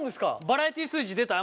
バラエティー数字出た？